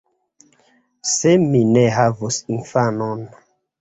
Se mi ne havus infanon!